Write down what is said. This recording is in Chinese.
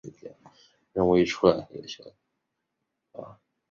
他所创立的阿散蒂王国在后来的时间里发展成为西非的一大强国。